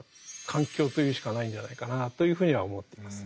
「環境」と言うしかないんじゃないかなというふうには思っています。